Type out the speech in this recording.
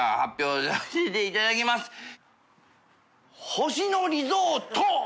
「＃星野リゾーＴ」！